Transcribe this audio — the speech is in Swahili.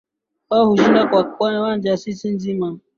Wao hushinda kwa kiwanja siku nzima